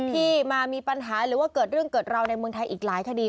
ที่มามีปัญหาหรือว่าเกิดเรื่องเกิดราวในเมืองไทยอีกหลายคดี